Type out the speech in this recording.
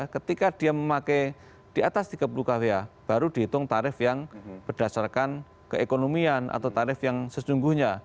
ketika dia memakai di atas tiga puluh kwh baru dihitung tarif yang berdasarkan keekonomian atau tarif yang sesungguhnya